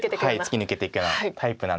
突き抜けていくようなタイプなので。